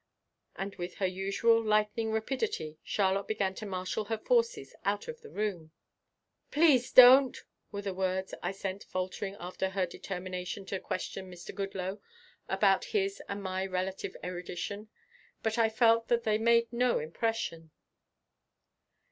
And with her usual lightning rapidity, Charlotte began to marshal her forces out of the room. "Please don't!" were the words I sent faltering after her determination to question Mr. Goodloe about his and my relative erudition, but I felt that they made no impression.